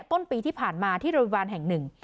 ต้นปีที่ผ่านมาที่โรงพยาบาลแห่งหนึ่ง